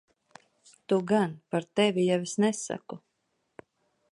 Tu gan. Par tevi jau es nesaku.